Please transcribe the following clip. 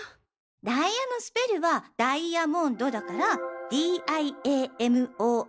ダイヤのスペルはダイヤモンドだから「ＤＩＡＭＯＮＤ」だよ。